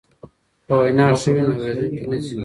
که وینا ښه وي نو اوریدونکی نه ځي.